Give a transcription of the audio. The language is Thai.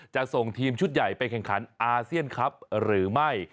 จะส่งทีมชุดใหญ่ไปแข่งขันอาเซียนครับหรือไม่